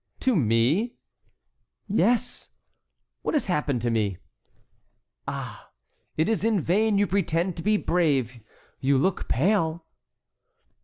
"To me?" "Yes." "What has happened to me?" "Ah! it is in vain you pretend to be brave, you look pale."